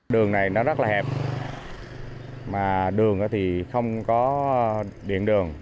đường này nó rất là hẹp mà đường thì không có điện đường